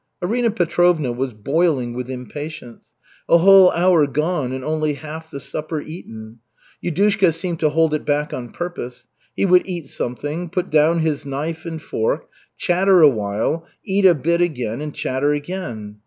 Arina Petrovna was boiling with impatience. A whole hour gone and only half the supper eaten. Yudushka seemed to hold it back on purpose. He would eat something, put down his knife and fork, chatter a while, eat a bit again, and chatter again.